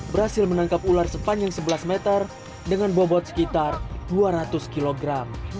berhasil menangkap ular sepanjang sebelas meter dengan bobot sekitar dua ratus kilogram